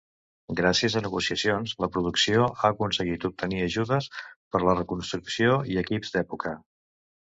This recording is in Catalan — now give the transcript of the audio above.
Gràcies a negociacions la producció ha aconseguit obtenir ajudes per la reconstrucció i equips d'època.